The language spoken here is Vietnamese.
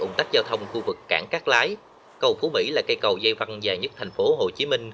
ủng tách giao thông khu vực cảng cát lái cầu phú mỹ là cây cầu dây văn dài nhất tp hcm